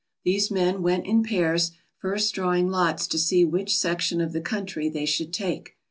These men went in pairs, first drawing lots to see which section of the country they should take.